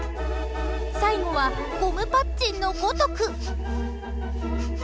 最後はゴムパッチンのごとく。